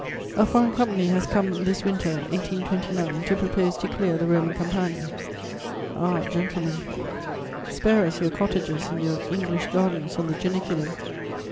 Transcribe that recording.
A foreign company has come this winter (1829) to propose to clear the Roman Campagna: ah, gentlemen, spare us your cottages and your English gardens on the Janiculum!